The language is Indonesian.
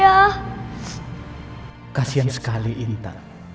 aku mau pergi ke rumah sama nita